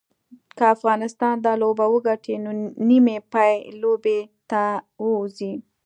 که افغانستان دا لوبه وګټي نو نیمې پایلوبې ته به ووځي